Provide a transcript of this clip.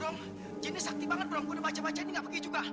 bram jinnya sakti banget bram gue udah baca bacaan ini gak pergi juga